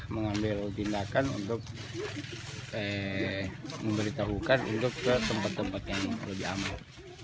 mengambil tindakan untuk memberitahukan untuk ke tempat tempat yang lebih aman